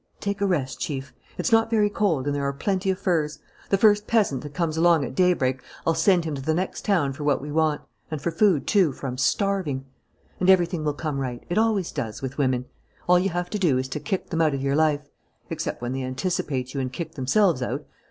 "Take a rest, Chief. It's not very cold and there are plenty of furs. The first peasant that comes along at daybreak, I'll send him to the next town for what we want and for food, too, for I'm starving. And everything will come right; it always does with women. All you have to do is to kick them out of your life except when they anticipate you and kick themselves out....